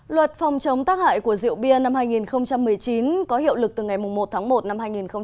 luật phòng chống tác hại của rượu bia năm hai nghìn một mươi chín có hiệu lực từ ngày một tháng một năm hai nghìn hai mươi